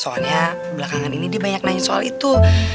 soalnya belakangan ini dia banyak nanya soal itu